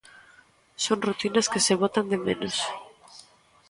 Son rutinas que se botan de menos.